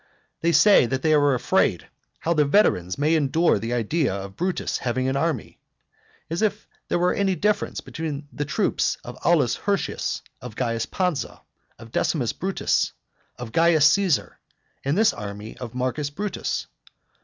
They say that they are afraid how the veterans may endure the idea of Brutus having an army. As if there were any difference between the troops of Aulus Hirtius, of Caius Pansa, of Decimus Brutus, of Caius Caesar, and this army of Marcus Brutus.